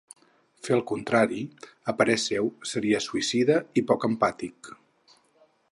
Fer el contrari, a parer seu, seria ‘suïcida’ i poc ‘empàtic’.